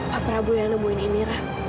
pak prabu yang nemenin ini rah